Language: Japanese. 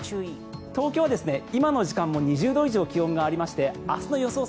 東京も今の時間は２０度以上気温がありまして明日の予想